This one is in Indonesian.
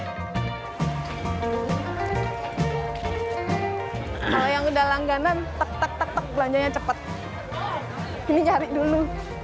kalau yang udah langganan tak tak tak tak belanjanya cepet ini nyari dulu